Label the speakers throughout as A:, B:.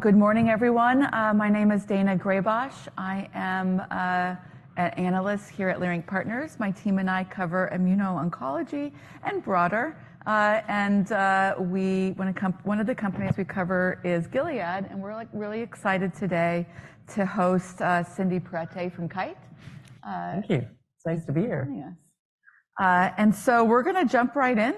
A: Good morning, everyone. My name is Daina Graybosch. I am an analyst here at Leerink Partners. My team and I cover immuno-oncology and broader. And we one of the companies we cover is Gilead, and we're like really excited today to host Cindy Perettie from Kite.
B: Thank you. It's nice to be here.
A: Thank you for joining us. And so we're going to jump right in,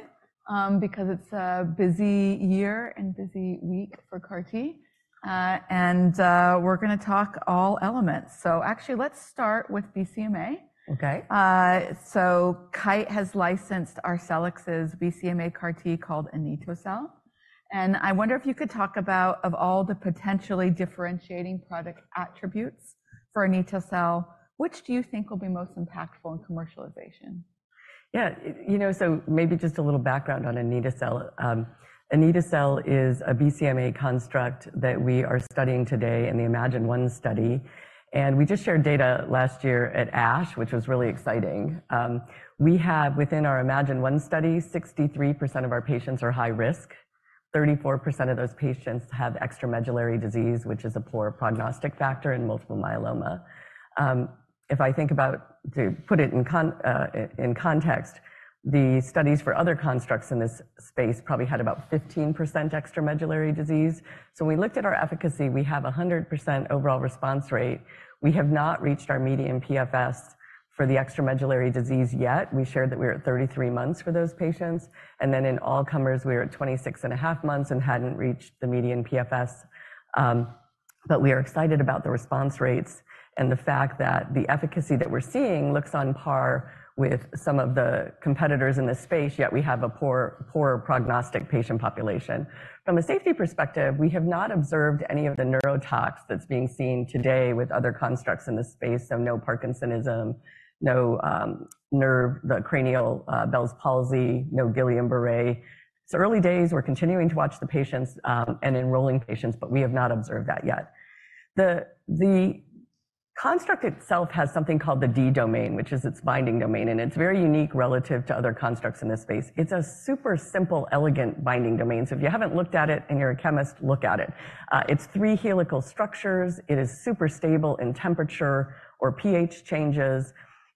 A: because it's a busy year and busy week for CAR-T. We're going to talk all elements. So actually let's start with BCMA.
B: Okay.
A: So, Kite has licensed Arcellx's BCMA CAR-T, called anito-cel, and I wonder if you could talk about, of all the potentially differentiating product attributes for anito-cel, which do you think will be most impactful in commercialization?
B: Yeah, you know, so maybe just a little background on anito-cel. anito-cel is a BCMA construct that we are studying today in the iMMagine-1 study, and we just shared data last year at ASH, which was really exciting. We have, within our iMMagine-1 study, 63% of our patients are high risk. 34% of those patients have extramedullary disease, which is a poor prognostic factor in multiple myeloma. If I think about to put it in context, the studies for other constructs in this space probably had about 15% extramedullary disease. So we looked at our efficacy. We have a 100% overall response rate. We have not reached our median PFS for the extramedullary disease yet. We shared that we are at 33 months for those patients, and then in all comers, we are at 26.5 months and hadn't reached the median PFS. But we are excited about the response rates and the fact that the efficacy that we're seeing looks on par with some of the competitors in this space, yet we have a poor, poorer prognostic patient population. From a safety perspective, we have not observed any of the neurotox that's being seen today with other constructs in this space. So no Parkinsonism, no, nerve, the cranial, Bell's palsy, no Guillain-Barré. It's early days, we're continuing to watch the patients, and enrolling patients, but we have not observed that yet. The construct itself has something called the D-Domain, which is its binding domain, and it's very unique relative to other constructs in this space. It's a super simple, elegant binding domain. So if you haven't looked at it and you're a chemist, look at it. It's three helical structures. It is super stable in temperature or pH changes,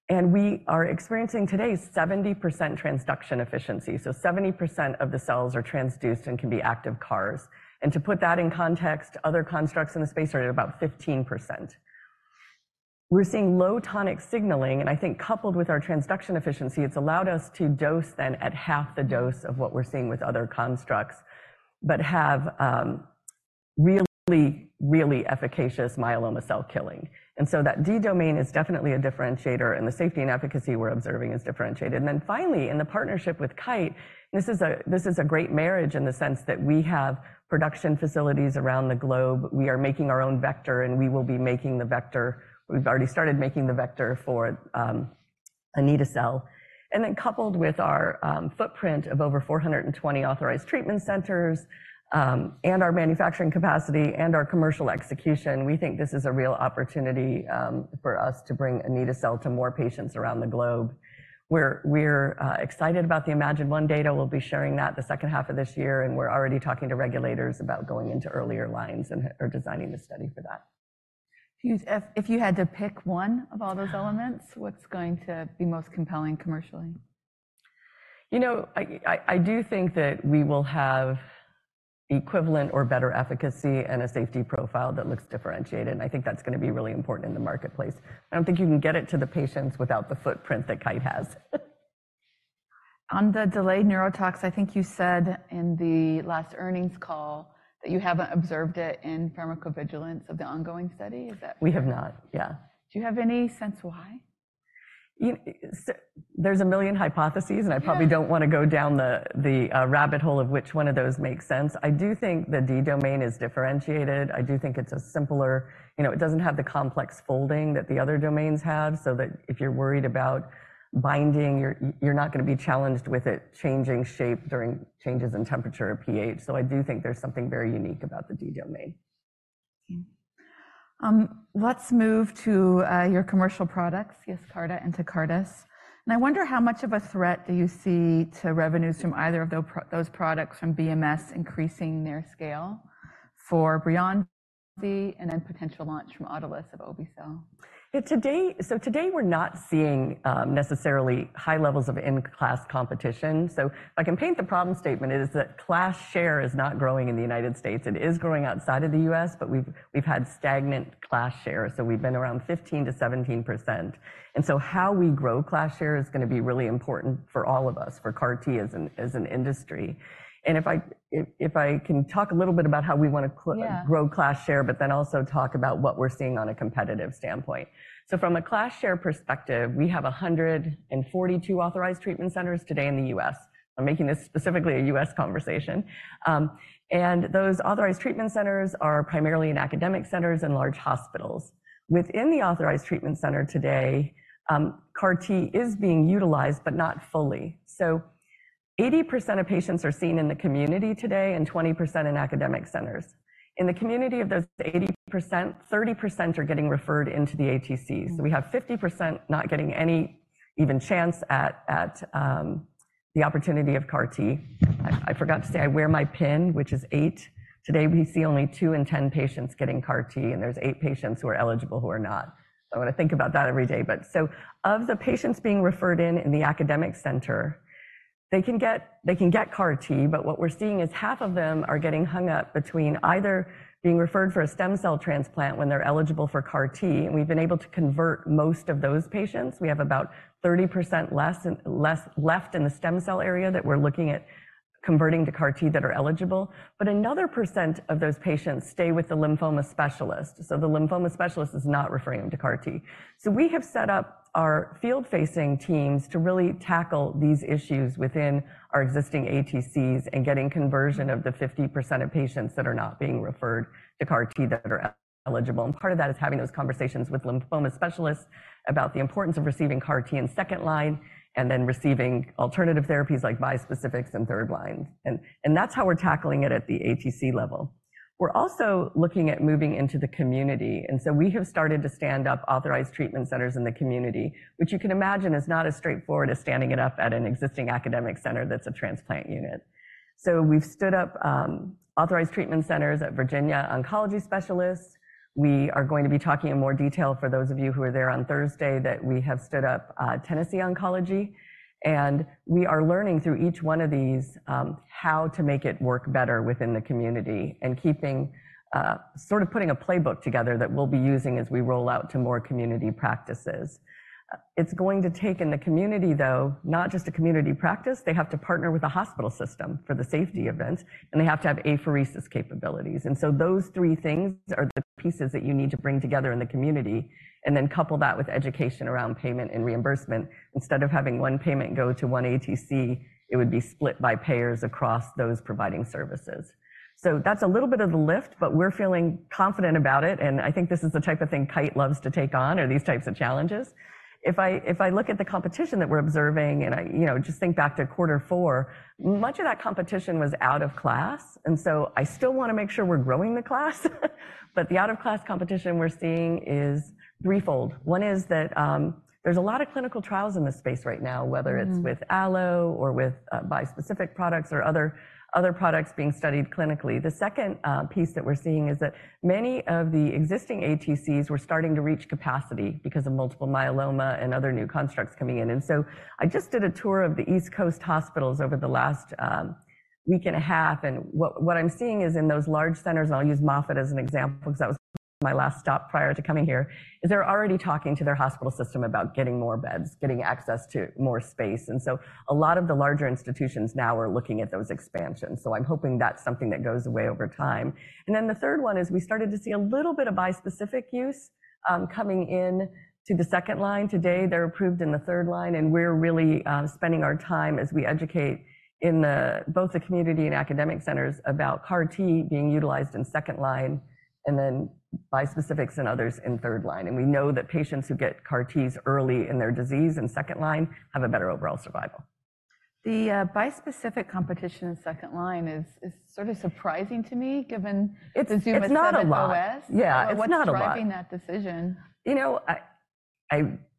B: and we are experiencing today 70% transduction efficiency, so 70% of the cells are transduced and can be active CARs. And to put that in context, other constructs in the space are at about 15%. We're seeing low tonic signaling, and I think coupled with our transduction efficiency, it's allowed us to dose then at half the dose of what we're seeing with other constructs, but have really, really efficacious myeloma cell killing. And so that D-Domain is definitely a differentiator, and the safety and efficacy we're observing is differentiated. Then finally, in the partnership with Kite, this is a, this is a great marriage in the sense that we have production facilities around the globe. We are making our own vector, and we will be making the vector. We've already started making the vector for anito-cel. And then coupled with our footprint of over 420 authorized treatment centers, and our manufacturing capacity and our commercial execution, we think this is a real opportunity for us to bring anito-cel to more patients around the globe, where we're excited about the iMMagine-1 data. We'll be sharing that the second half of this year, and we're already talking to regulators about going into earlier lines and, or designing the study for that.
A: If you had to pick one of all those elements, what's going to be most compelling commercially?
B: You know, I do think that we will have equivalent or better efficacy and a safety profile that looks differentiated, and I think that's going to be really important in the marketplace. I don't think you can get it to the patients without the footprint that Kite has.
A: On the delayed neurotoxicity, I think you said in the last earnings call that you haven't observed it in pharmacovigilance of the ongoing study. Is that-
B: We have not. Yeah.
A: Do you have any sense why?
B: So there's a million hypotheses-
A: Yeah.
B: I probably don't want to go down the rabbit hole of which one of those makes sense. I do think the D-domain is differentiated. I do think it's a simpler... You know, it doesn't have the complex folding that the other domains have, so that if you're worried about binding, you're not going to be challenged with it changing shape during changes in temperature or pH. So I do think there's something very unique about the D-domain.
A: Let's move to your commercial products, Yescarta and Tecartus. I wonder how much of a threat you see to revenues from either of those products from BMS increasing their scale for Breyanzi and then potential launch from Autolus of obe-cel?
B: Yeah, today, so today, we're not seeing necessarily high levels of in-class competition. So if I can paint the problem statement, it is that class share is not growing in the United States. It is growing outside of the U.S., but we've had stagnant class share. So we've been around 15%-17%. And so how we grow class share is going to be really important for all of us, for CAR-T as an industry. And if I can talk a little bit about how we want to cl-
A: Yeah...
B: grow class share, but then also talk about what we're seeing on a competitive standpoint. So from a class share perspective, we have 142 authorized treatment centers today in the U.S. I'm making this specifically a U.S. conversation. And those authorized treatment centers are primarily in academic centers and large hospitals. Within the authorized treatment center today, CAR-T is being utilized, but not fully. So 80% of patients are seen in the community today and 20% in academic centers. In the community of those 80%, 30% are getting referred into the ATCs. We have 50% not getting any even chance at the opportunity of CAR-T. I forgot to say I wear my pin, which is eight. Today, we see only two in 10 patients getting CAR-T, and there's eight patients who are eligible who are not. So I want to think about that every day. But so of the patients being referred in in the academic center, they can get CAR-T, but what we're seeing is half of them are getting hung up between either being referred for a stem cell transplant when they're eligible for CAR-T, and we've been able to convert most of those patients. We have about 30% less left in the stem cell area that we're looking at converting to CAR-T that are eligible. But another percent of those patients stay with the lymphoma specialist, so the lymphoma specialist is not referring them to CAR-T. So we have set up our field-facing teams to really tackle these issues within our existing ATCs and getting conversion of the 50% of patients that are not being referred to CAR-T that are eligible. And part of that is having those conversations with lymphoma specialists about the importance of receiving CAR-T in second line and then receiving alternative therapies like bispecifics in third line. And that's how we're tackling it at the ATC level. We're also looking at moving into the community, and so we have started to stand up authorized treatment centers in the community, which you can imagine is not as straightforward as standing it up at an existing academic center that's a transplant unit. So we've stood up authorized treatment centers at Virginia Oncology Associates. We are going to be talking in more detail, for those of you who are there on Thursday, that we have stood up Tennessee Oncology, and we are learning through each one of these how to make it work better within the community and keeping sort of putting a playbook together that we'll be using as we roll out to more community practices. It's going to take in the community, though, not just a community practice. They have to partner with a hospital system for the safety events, and they have to have apheresis capabilities. And so those three things are the pieces that you need to bring together in the community and then couple that with education around payment and reimbursement. Instead of having one payment go to one ATC, it would be split by payers across those providing services. So that's a little bit of a lift, but we're feeling confident about it, and I think this is the type of thing Kite loves to take on, are these types of challenges. If I, if I look at the competition that we're observing and I, you know, just think back to quarter four, much of that competition was out of class, and so I still want to make sure we're growing the class. But the out-of-class competition we're seeing is threefold. One is that, there's a lot of clinical trials in this space right now, whether-
A: Mm.
B: It's with allo or with bispecific products or other products being studied clinically. The second piece that we're seeing is that many of the existing ATCs were starting to reach capacity because of multiple myeloma and other new constructs coming in. And so I just did a tour of the East Coast hospitals over the last week and a half, and what I'm seeing is in those large centers. I'll use Moffitt as an example because that was my last stop prior to coming here. They're already talking to their hospital system about getting more beds, getting access to more space, and so a lot of the larger institutions now are looking at those expansions. So I'm hoping that's something that goes away over time. Then the third one is, we started to see a little bit of bispecific use coming in to the second line. Today, they're approved in the third line, and we're really spending our time as we educate in both the community and academic centers about CAR-T being utilized in second line and then bispecifics and others in third line. We know that patients who get CAR-Ts early in their disease in second line have a better overall survival.
A: The bispecific competition in second line is sort of surprising to me, given-
B: It's not a lot.
A: It's assumed it's less.
B: Yeah, it's not a lot.
A: What's driving that decision?
B: You know,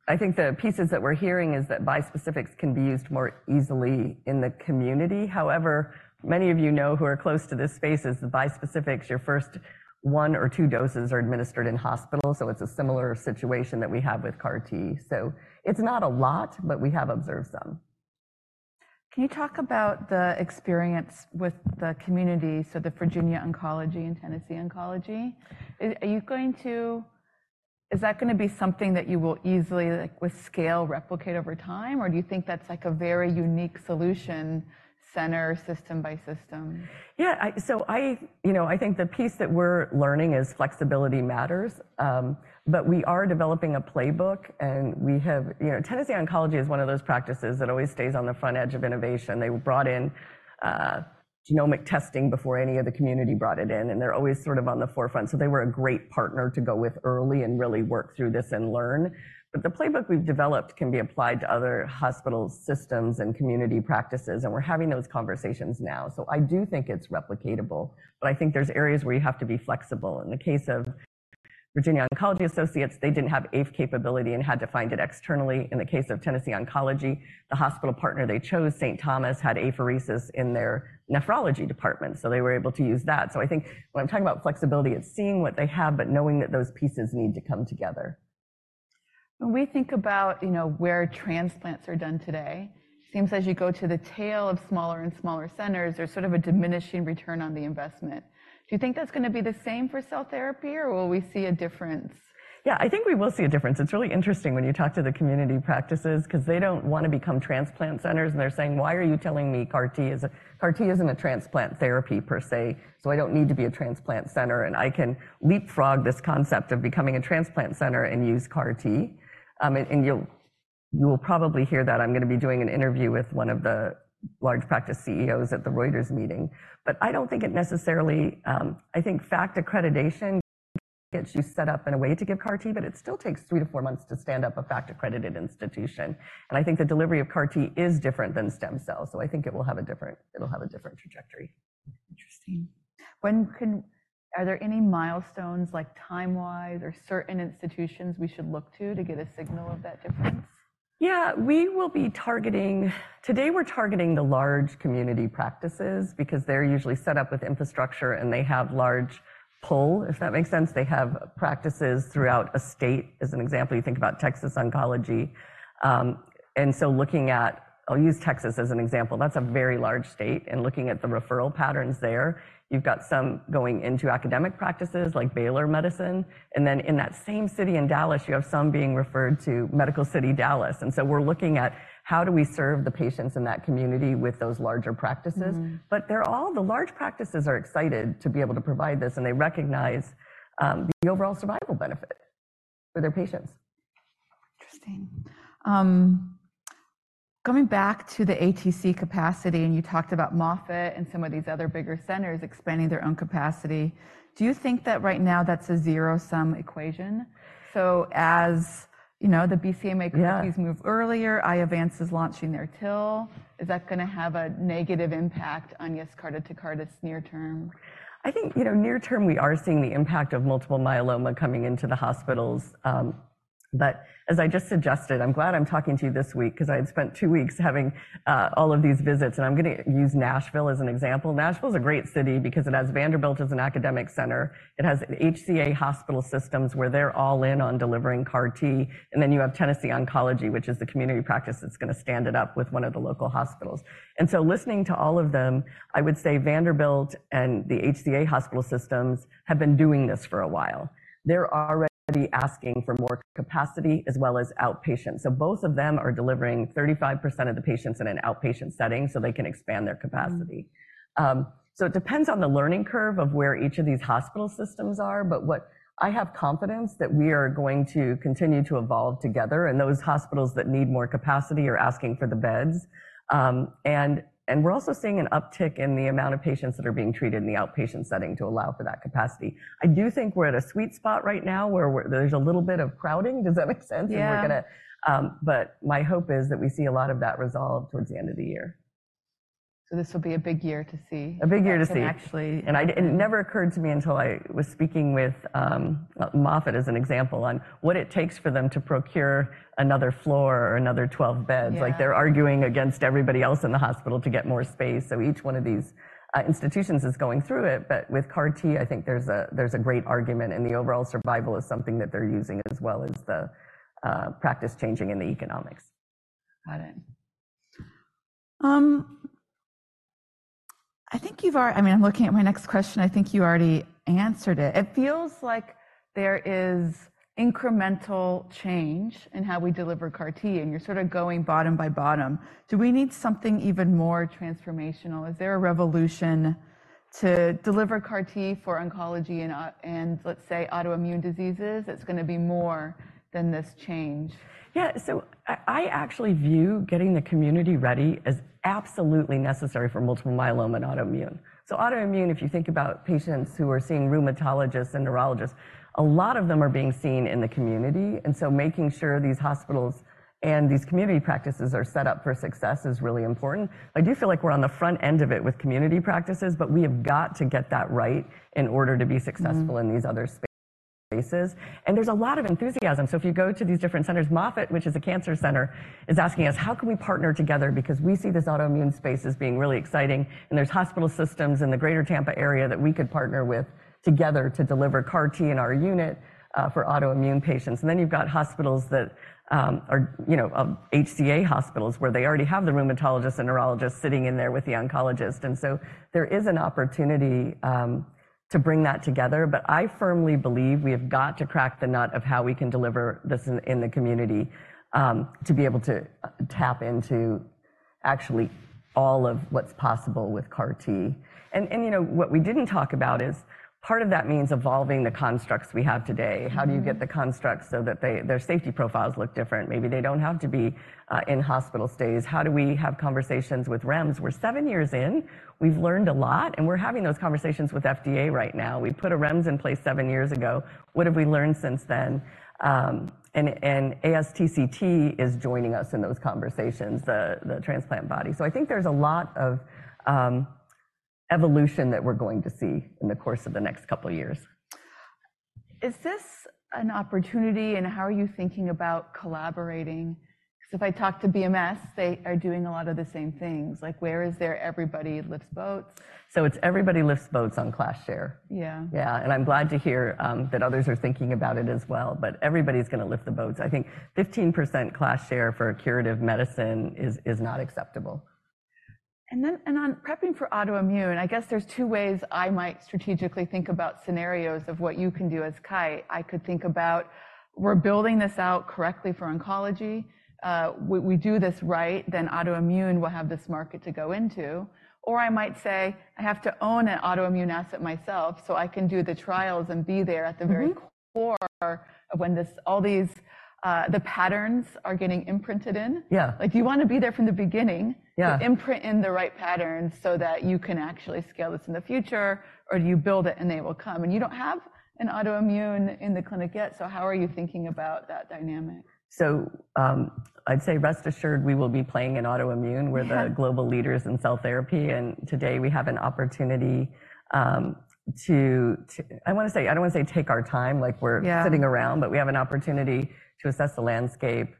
B: I think the pieces that we're hearing is that bispecifics can be used more easily in the community. However, many of you know who are close to this space is the bispecifics, your first one or two doses are administered in hospitals, so it's a similar situation that we have with CAR-T. So it's not a lot, but we have observed some.
A: Can you talk about the experience with the community, so the Virginia Oncology and Tennessee Oncology? Is that going to be something that you will easily, like, with scale, replicate over time, or do you think that's, like, a very unique solution center, system by system?
B: Yeah, so I... You know, I think the piece that we're learning is flexibility matters. But we are developing a playbook, and we have-- You know, Tennessee Oncology is one of those practices that always stays on the front edge of innovation. They brought in genomic testing before any of the community brought it in, and they're always sort of on the forefront. So they were a great partner to go with early and really work through this and learn. But the playbook we've developed can be applied to other hospital systems and community practices, and we're having those conversations now. So I do think it's replicatable, but I think there's areas where you have to be flexible. In the case of Virginia Oncology Associates, they didn't have apheresis capability and had to find it externally. In the case of Tennessee Oncology, the hospital partner they chose, St. Thomas, had apheresis in their nephrology department, so they were able to use that. So I think when I'm talking about flexibility, it's seeing what they have, but knowing that those pieces need to come together.
A: When we think about, you know, where transplants are done today, it seems as you go to the tail of smaller and smaller centers, there's sort of a diminishing return on the investment. Do you think that's going to be the same for cell therapy, or will we see a difference?
B: Yeah, I think we will see a difference. It's really interesting when you talk to the community practices because they don't want to become transplant centers, and they're saying: "Why are you telling me CAR-T is a-- CAR-T isn't a transplant therapy per se, so I don't need to be a transplant center, and I can leapfrog this concept of becoming a transplant center and use CAR-T." And you will probably hear that I'm going to be doing an interview with one of the large practice CEOs at the Reuters meeting. But I don't think it necessarily. I think FACT accreditation gets you set up in a way to give CAR-T, but it still takes three to four months to stand up a FACT-accredited institution. I think the delivery of CAR-T is different than stem cells, so I think it will have a different, it'll have a different trajectory....
A: Interesting. Are there any milestones, like time-wise or certain institutions we should look to, to get a signal of that difference?
B: Yeah, we will be targeting. Today, we're targeting the large community practices because they're usually set up with infrastructure, and they have large pull, if that makes sense. They have practices throughout a state. As an example, you think about Texas Oncology, and so looking at... I'll use Texas as an example. That's a very large state, and looking at the referral patterns there, you've got some going into academic practices like Baylor Medicine, and then in that same city in Dallas, you have some being referred to Medical City Dallas. And so we're looking at how do we serve the patients in that community with those larger practices.
A: Mm-hmm.
B: They're all, the large practices are excited to be able to provide this, and they recognize the overall survival benefit for their patients.
A: Interesting. Going back to the ATC capacity, and you talked about Moffitt and some of these other bigger centers expanding their own capacity. Do you think that right now that's a zero-sum equation? So as you know, the BCMA-
B: Yeah
A: Therapies move earlier, Iovance is launching their TIL. Is that going to have a negative impact on Yescarta to Tecartus near-term?
B: I think, you know, near term, we are seeing the impact of multiple myeloma coming into the hospitals. But as I just suggested, I'm glad I'm talking to you this week because I'd spent two weeks having all of these visits, and I'm going to use Nashville as an example. Nashville is a great city because it has Vanderbilt as an academic center. It has HCA hospital systems, where they're all in on delivering CAR-T. And then you have Tennessee Oncology, which is the community practice that's going to stand it up with one of the local hospitals. And so listening to all of them, I would say Vanderbilt and the HCA hospital systems have been doing this for a while. They're already asking for more capacity as well as outpatient. So both of them are delivering 35% of the patients in an outpatient setting, so they can expand their capacity.
A: Mm.
B: So it depends on the learning curve of where each of these hospital systems are, but I have confidence that we are going to continue to evolve together, and those hospitals that need more capacity are asking for the beds. And we're also seeing an uptick in the amount of patients that are being treated in the outpatient setting to allow for that capacity. I do think we're at a sweet spot right now, where there's a little bit of crowding. Does that make sense?
A: Yeah.
B: But my hope is that we see a lot of that resolved towards the end of the year.
A: This will be a big year to see.
B: A big year to see.
A: And actually-
B: It never occurred to me until I was speaking with Moffitt as an example, on what it takes for them to procure another floor or another 12 beds.
A: Yeah.
B: Like, they're arguing against everybody else in the hospital to get more space. So each one of these institutions is going through it. But with CAR-T, I think there's a great argument, and the overall survival is something that they're using as well as the practice changing and the economics.
A: Got it. I think you've already answered it. I mean, I'm looking at my next question. I think you already answered it. It feels like there is incremental change in how we deliver CAR-T, and you're sort of going bottom by bottom. Do we need something even more transformational? Is there a revolution to deliver CAR-T for oncology and autoimmune diseases, that's going to be more than this change?
B: Yeah, so I actually view getting the community ready as absolutely necessary for multiple myeloma and autoimmune. So autoimmune, if you think about patients who are seeing rheumatologists and neurologists, a lot of them are being seen in the community, and so making sure these hospitals and these community practices are set up for success is really important. I do feel like we're on the front end of it with community practices, but we have got to get that right in order to be-
A: Mm-hmm...
B: successful in these other spaces. And there's a lot of enthusiasm. So if you go to these different centers, Moffitt, which is a cancer center, is asking us: How can we partner together? Because we see this autoimmune space as being really exciting, and there's hospital systems in the greater Tampa area that we could partner with together to deliver CAR-T in our unit, for autoimmune patients. And then you've got hospitals that are, you know, HCA hospitals, where they already have the rheumatologist and neurologist sitting in there with the oncologist. And so there is an opportunity to bring that together. But I firmly believe we have got to crack the nut of how we can deliver this in the community, to be able to tap into actually all of what's possible with CAR-T. You know, what we didn't talk about is part of that means evolving the constructs we have today.
A: Mm-hmm.
B: How do you get the constructs so that they, their safety profiles look different? Maybe they don't have to be in hospital stays. How do we have conversations with REMS? We're seven years in, we've learned a lot, and we're having those conversations with FDA right now. We put a REMS in place seven years ago. What have we learned since then? And ASTCT is joining us in those conversations, the transplant body. So I think there's a lot of evolution that we're going to see in the course of the next couple of years.
A: Is this an opportunity, and how are you thinking about collaborating? Because if I talk to BMS, they are doing a lot of the same things. Like, where is their everybody lifts boats?
B: It's everybody lifts boats on Class share.
A: Yeah.
B: Yeah, and I'm glad to hear that others are thinking about it as well. But everybody's going to lift the boats. I think 15% class share for a curative medicine is not acceptable.
A: Then, on prepping for autoimmune, I guess there's two ways I might strategically think about scenarios of what you can do as Kite. I could think about we're building this out correctly for oncology. We do this right, then autoimmune will have this market to go into. Or I might say: I have to own an autoimmune asset myself, so I can do the trials and be there at the very-
B: Mm-hmm...
A: core of when this, all these, the patterns are getting imprinted in.
B: Yeah.
A: Like, you want to be there from the beginning-
B: Yeah...
A: to imprint in the right pattern so that you can actually scale this in the future, or do you build it, and they will come? You don't have an autoimmune in the clinic yet, so how are you thinking about that dynamic?
B: I'd say rest assured, we will be playing in autoimmune.
A: Yeah.
B: We're the global leaders in cell therapy, and today we have an opportunity, I don't want to say, I don't want to say take our time, like we're-
A: Yeah...
B: sitting around, but we have an opportunity to assess the landscape.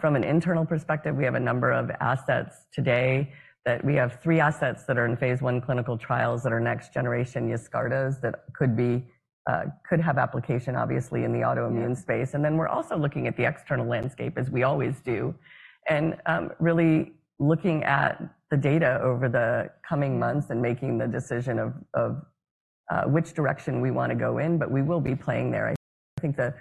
B: From an internal perspective, we have a number of assets today, that we have three assets that are in phase I clinical trials that are next-generation Yescarta, that could be, could have application, obviously, in the autoimmune-
A: Yeah...
B: space. And then we're also looking at the external landscape, as we always do, and really looking at the data over the coming months and making the decision of which direction we want to go in, but we will be playing there. I think the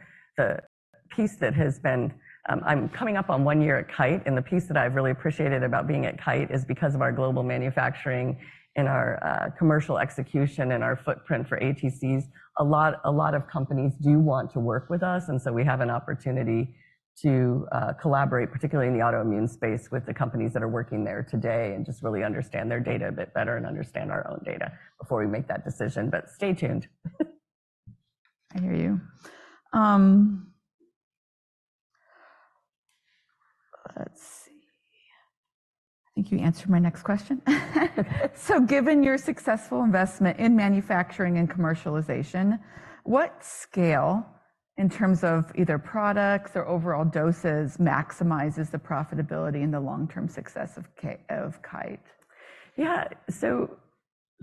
B: piece that has been, I'm coming up on one year at Kite, and the piece that I've really appreciated about being at Kite is because of our global manufacturing and our commercial execution and our footprint for ATCs. A lot, a lot of companies do want to work with us, and so we have an opportunity to collaborate, particularly in the autoimmune space, with the companies that are working there today, and just really understand their data a bit better and understand our own data before we make that decision. But stay tuned.
A: I hear you. Let's see. I think you answered my next question. So given your successful investment in manufacturing and commercialization, what scale, in terms of either products or overall doses, maximizes the profitability and the long-term success of Kite?
B: Yeah.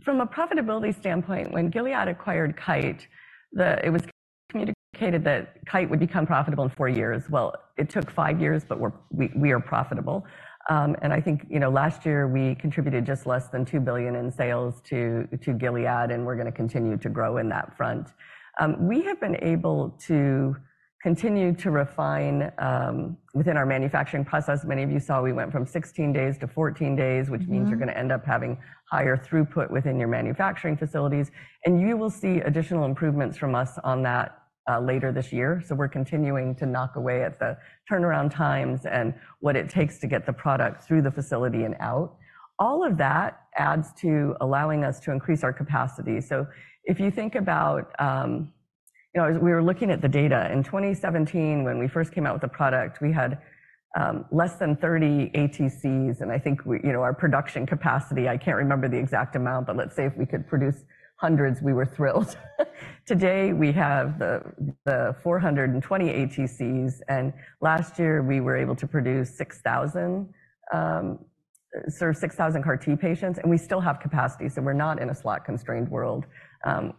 B: From a profitability standpoint, when Gilead acquired Kite, it was communicated that Kite would become profitable in four years. Well, it took five years, but we are profitable. And I think, you know, last year we contributed just less than $2 billion in sales to Gilead, and we're going to continue to grow in that front. We have been able to continue to refine within our manufacturing process. Many of you saw we went from 16 days to 14 days.
A: Mm-hmm.
B: -which means you're going to end up having higher throughput within your manufacturing facilities, and you will see additional improvements from us on that later this year. So we're continuing to knock away at the turnaround times and what it takes to get the product through the facility and out. All of that adds to allowing us to increase our capacity. So if you think about, you know, as we were looking at the data, in 2017, when we first came out with the product, we had less than 30 ATCs, and I think we, you know, our production capacity, I can't remember the exact amount, but let's say if we could produce hundreds, we were thrilled. Today, we have the 420 ATCs, and last year, we were able to serve 6,000 CAR-T patients, and we still have capacity, so we're not in a slot-constrained world.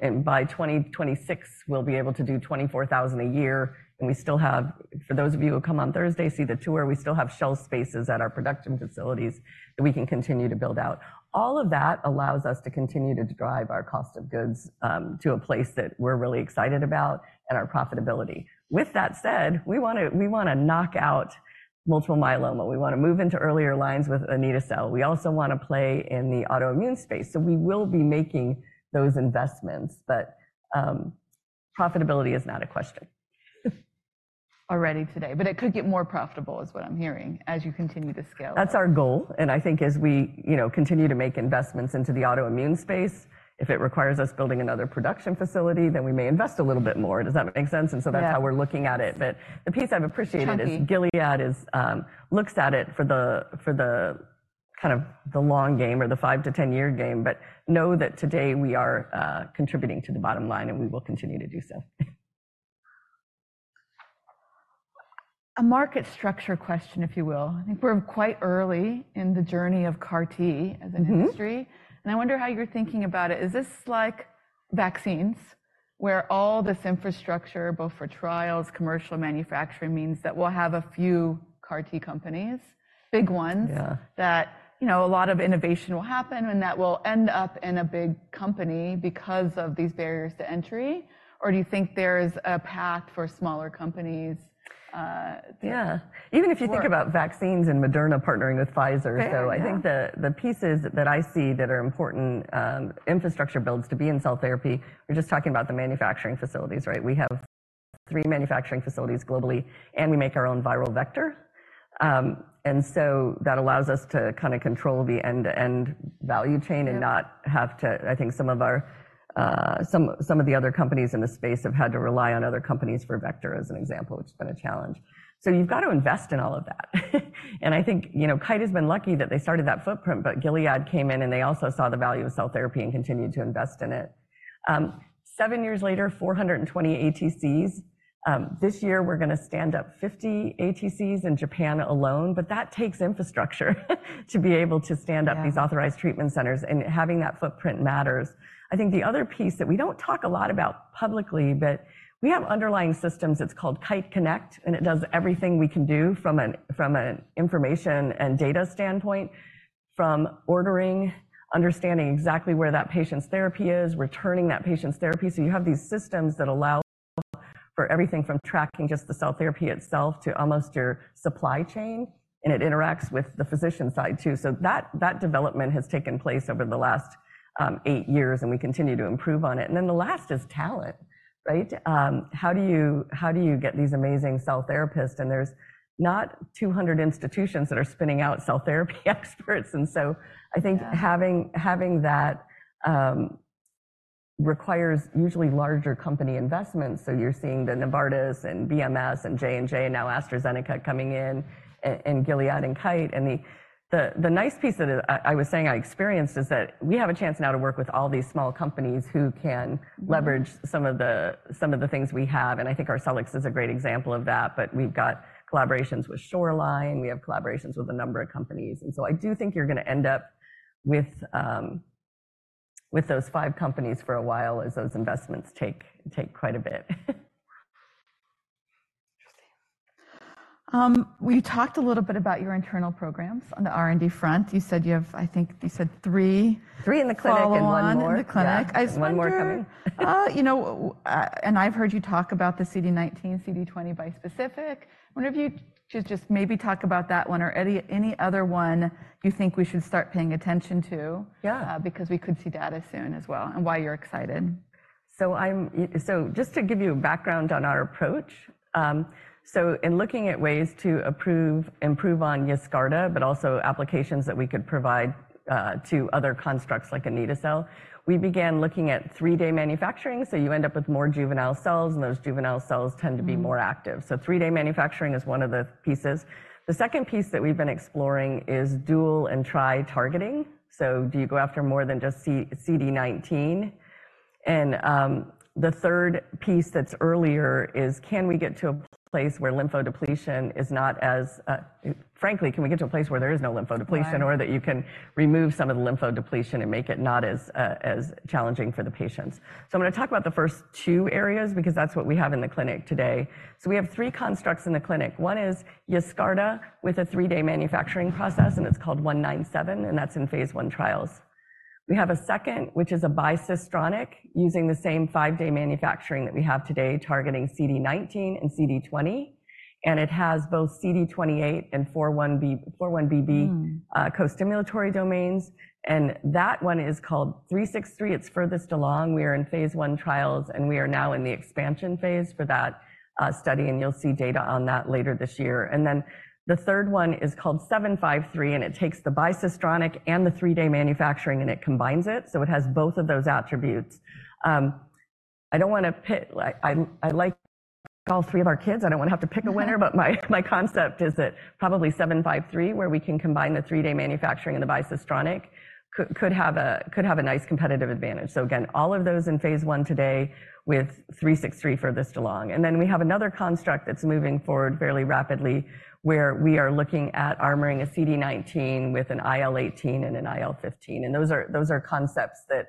B: And by 2026, we'll be able to do 24,000 a year, and we still have... For those of you who come on Thursday, see the tour, we still have shelf spaces at our production facilities that we can continue to build out. All of that allows us to continue to drive our cost of goods to a place that we're really excited about and our profitability. With that said, we want to, we want to knock out multiple myeloma. We want to move into earlier lines with anito-cel. We also want to play in the autoimmune space, so we will be making those investments, but profitability is not a question.
A: Already today, but it could get more profitable, is what I'm hearing, as you continue to scale.
B: That's our goal, and I think as we, you know, continue to make investments into the autoimmune space, if it requires us building another production facility, then we may invest a little bit more. Does that make sense?
A: Yeah.
B: And so that's how we're looking at it, but the piece I've appreciated-
A: Happy.
B: Gilead looks at it for the kind of the long game or the five-10 year game, but know that today we are contributing to the bottom line, and we will continue to do so.
A: A market structure question, if you will. I think we're quite early in the journey of CAR-T as an industry-
B: Mm-hmm.
A: and I wonder how you're thinking about it. Is this like vaccines, where all this infrastructure, both for trials, commercial manufacturing, means that we'll have a few CAR-T companies, big ones-
B: Yeah...
A: that, you know, a lot of innovation will happen and that will end up in a big company because of these barriers to entry? Or do you think there's a path for smaller companies?
B: Yeah.
A: More-
B: Even if you think about vaccines and Moderna partnering with Pfizer.
A: Fair, yeah.
B: So I think the pieces that I see that are important, infrastructure builds to be in cell therapy, we're just talking about the manufacturing facilities, right? We have three manufacturing facilities globally, and we make our own viral vector. And so that allows us to kind of control the end-to-end value chain-
A: Yeah...
B: and not have to. I think some of the other companies in the space have had to rely on other companies for vector, as an example, which has been a challenge. So you've got to invest in all of that. And I think, you know, Kite has been lucky that they started that footprint, but Gilead came in, and they also saw the value of cell therapy and continued to invest in it. Seven years later, 420 ATCs. This year, we're going to stand up 50 ATCs in Japan alone, but that takes infrastructure to be able to stand up-
A: Yeah...
B: these authorized treatment centers, and having that footprint matters. I think the other piece that we don't talk a lot about publicly, but we have underlying systems that's called Kite Konnect, and it does everything we can do from an information and data standpoint, from ordering, understanding exactly where that patient's therapy is, returning that patient's therapy. So you have these systems that allow for everything from tracking just the cell therapy itself to almost your supply chain, and it interacts with the physician side, too. So that development has taken place over the last eight years, and we continue to improve on it. And then the last is talent, right? How do you get these amazing cell therapists? And there's not 200 institutions that are spinning out cell therapy experts. And so I think-
A: Yeah...
B: having that requires usually larger company investments. So you're seeing the Novartis and BMS and J&J and now AstraZeneca coming in, and Gilead and Kite. And the nice piece that I was saying I experienced is that we have a chance now to work with all these small companies who can leverage-
A: Mm-hmm...
B: some of the things we have, and I think our Arcellx is a great example of that. But we've got collaborations with Shoreline, we have collaborations with a number of companies, and so I do think you're going to end up with those five companies for a while, as those investments take quite a bit....
A: we talked a little bit about your internal programs on the R&D front. You said you have, I think you said three-
B: three in the clinic and one more-
A: One in the clinic.
B: Yeah.
A: I wonder-
B: One more coming.
A: You know, and I've heard you talk about the CD19, CD20 bispecific. I wonder if you should just maybe talk about that one or any, any other one you think we should start paying attention to?
B: Yeah.
A: Because we could see data soon as well, and why you're excited.
B: So just to give you background on our approach, in looking at ways to improve on Yescarta, but also applications that we could provide to other constructs like anito-cel, we began looking at three-day manufacturing, so you end up with more juvenile cells, and those juvenile cells tend to be more active. So three-day manufacturing is one of the pieces. The second piece that we've been exploring is dual and tri targeting. So do you go after more than just CD19? And, the third piece that's earlier is, can we get to a place where lymphodepletion is not as frankly, can we get to a place where there is no lymphodepletion.
A: Right
B: —or that you can remove some of the lymphodepletion and make it not as, as challenging for the patients? So I'm gonna talk about the first two areas because that's what we have in the clinic today. So we have three constructs in the clinic. One is Yescarta, with a three-day manufacturing process, and it's called 197, and that's in phase I trials. We have a second, which is a bispecific using the same five-day manufacturing that we have today, targeting CD19 and CD20, and it has both CD28 and 4-1BB—
A: Mm-hmm.
B: costimulatory domains, and that one is called KITE-363. It's furthest along. We are in phase I trials, and we are now in the expansion phase for that study, and you'll see data on that later this year. And then the third one is called KITE-753, and it takes the bispecific and the three-day manufacturing, and it combines it, so it has both of those attributes. I don't want to pick, like, I, I like all three of our kids. I don't want to have to pick a winner-
A: Yeah.
B: But my concept is that probably 753, where we can combine the three-day manufacturing and the bispecific, could have a nice competitive advantage. So again, all of those in phase I today, with 363 furthest along. And then we have another construct that's moving forward fairly rapidly, where we are looking at armoring a CD19 with an IL-18 and an IL-15, and those are concepts that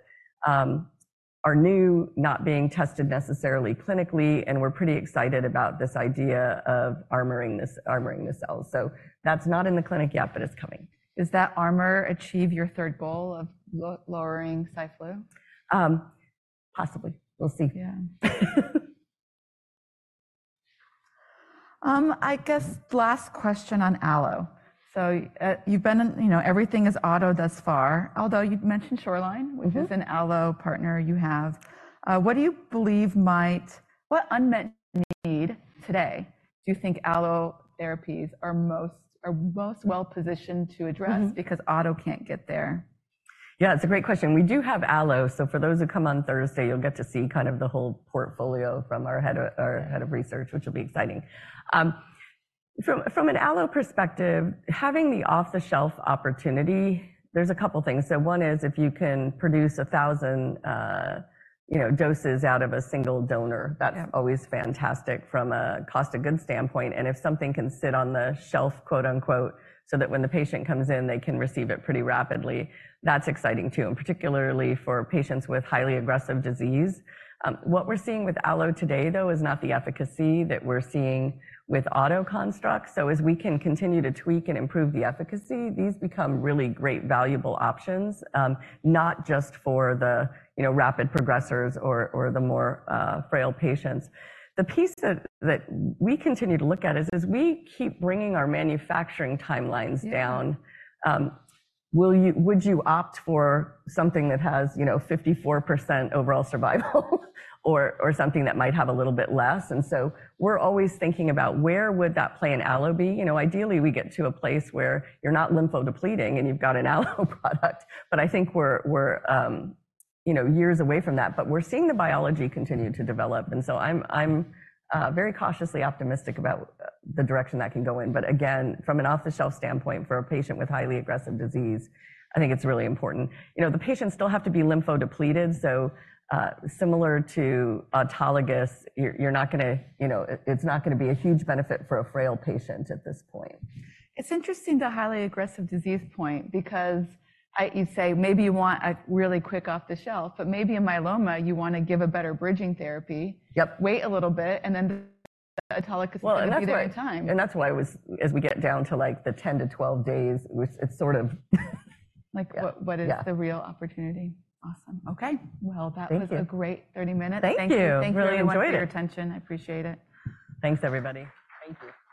B: are new, not being tested necessarily clinically, and we're pretty excited about this idea of armoring the cells. So that's not in the clinic yet, but it's coming.
A: Does that armor achieve your third goal of lowering CRS?
B: Possibly. We'll see.
A: Yeah. I guess last question on allo. So, you've been in, you know, everything is auto thus far, although you've mentioned Shoreline-
B: Mm-hmm.
A: -which is an allo partner you have. What do you believe might... What unmet need today do you think allo therapies are most well positioned to address-
B: Mm-hmm.
A: -because auto can't get there?
B: Yeah, it's a great question. We do have allo, so for those who come on Thursday, you'll get to see kind of the whole portfolio from our head of research, which will be exciting. From an allo perspective, having the off-the-shelf opportunity, there's a couple things. So one is if you can produce 1,000 doses out of a single donor-
A: Yeah...
B: that's always fantastic from a cost of goods standpoint. And if something can sit on the "shelf," quote, unquote, so that when the patient comes in, they can receive it pretty rapidly, that's exciting too, and particularly for patients with highly aggressive disease. What we're seeing with allo today, though, is not the efficacy that we're seeing with auto constructs. So as we can continue to tweak and improve the efficacy, these become really great, valuable options, not just for the, you know, rapid progressors or the more frail patients. The piece that we continue to look at is, as we keep bringing our manufacturing timelines down-
A: Yeah...
B: will you, would you opt for something that has, you know, 54% overall survival? Or something that might have a little bit less. And so we're always thinking about where would that play in allo be? You know, ideally, we get to a place where you're not lymphodepleting and you've got an allo product, but I think we're, we're, you know, years away from that. But we're seeing the biology continue to develop, and so I'm very cautiously optimistic about the direction that can go in. But again, from an off-the-shelf standpoint, for a patient with highly aggressive disease, I think it's really important. You know, the patients still have to be lymphodepleted, so similar to autologous, you're not gonna, you know, it's not gonna be a huge benefit for a frail patient at this point.
A: It's interesting, the highly aggressive disease point, because you say maybe you want a really quick off the shelf, but maybe in myeloma you want to give a better bridging therapy.
B: Yep.
A: Wait a little bit, and then autologous-
B: Well, and that's why-
A: will be there in time.
B: that's why I was, as we get down to, like, the 10-12 days, which it's sort of...
A: Like, what-
B: Yeah...
A: what is the real opportunity? Awesome.
B: Okay.
A: Well, that was-
B: Thank you!
A: a great 30 minutes.
B: Thank you.
A: Thank you.
B: Really enjoyed it.
A: Thanks for your attention. I appreciate it.
B: Thanks, everybody. Thank you.